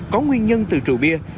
có nguyên nhân từ trụ bia